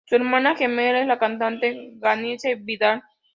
Su hermana gemela es la cantante Janice Vidal.